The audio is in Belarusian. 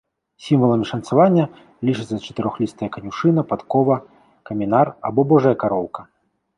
Сімваламі шанцавання лічацца чатырохлістая канюшына, падкова, камінар або божая кароўка.